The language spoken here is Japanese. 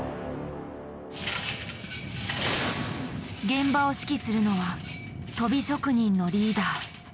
現場を指揮するのはとび職人のリーダー。